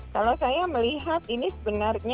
kalau saya melihat ini sebenarnya